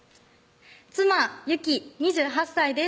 妻・由季２８歳です